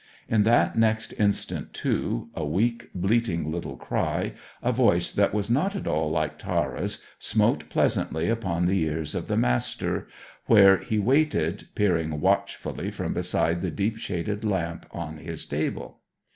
In that next instant, too, a weak, bleating little cry, a voice that was not at all like Tara's, smote pleasantly upon the ears of the Master, where he waited, peering watchfully from beside the deeply shaded lamp on his table.